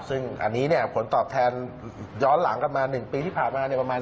ซึ่งอันนี้ผลตอบแทนย้อนหลังกันมา๑ปีที่ผ่านมาประมาณ๓๐